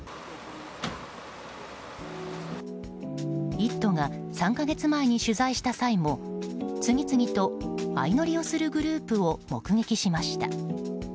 「イット！」が３か月前に取材した際も次々と相乗りをするグループを目撃しました。